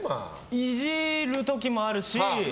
イジる時もあるし